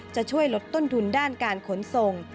จะช่วยลดต้นทุนด้านการขนส่ง